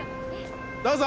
どうぞ！